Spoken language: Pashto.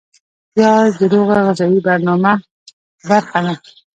پیاز د روغه غذایي برنامه برخه ده